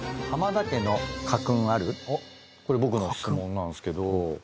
これ僕の質問なんですけど。